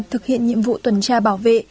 hiện nhiệm vụ tuần tra bảo vệ